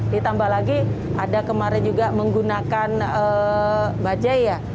ditambah lagi ada kemarin juga menggunakan bajai ya